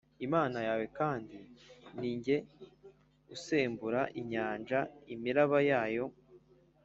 Imana yawe kandi ni jye usembura inyanja imiraba yayo